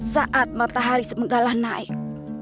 sampai matahari semenggala naik